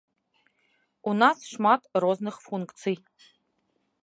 У нас шмат розных функцый.